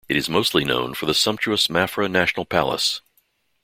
It is mostly known for the sumptuous Mafra National Palace.